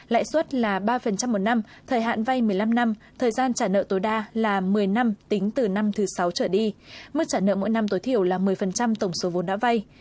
lãi suất là ba một năm thời hạn vay một mươi năm năm thời gian trả nợ tối đa là một mươi năm tính từ năm thứ sáu trở đi mức trả nợ mỗi năm tối thiểu là một mươi tổng số vốn đã vay